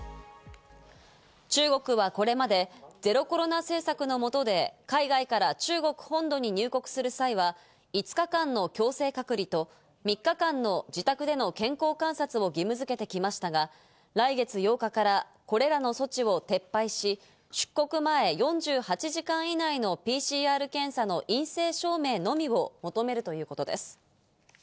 中国はこれまでゼロコロナ政策のもとで海外から中国本土に入国する際は、５日間の強制隔離と３日間の自宅での健康観察を義務づけてきましたが、来月８日からこれらの措置を撤廃し、出国前４８時間以内のＰＣＲ検査の陰性証明のみを求めるということです。